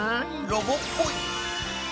ロボっぽい。